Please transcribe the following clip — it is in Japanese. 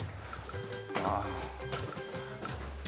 ああ。